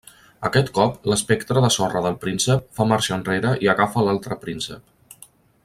Aquest cop, l'espectre de sorra del Príncep fa marxa enrere i agafa l'altre Príncep.